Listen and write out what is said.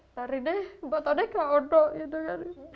tari ini matanya ga ono gitu kan